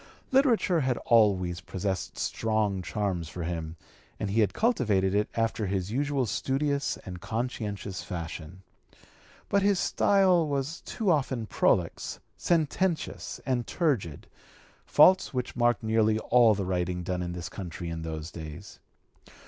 Literature had always possessed strong charms for him, and he had cultivated it after his usual studious and conscientious fashion. But his style was too often prolix, sententious, and turgid faults which marked nearly all the writing done in this country in those days.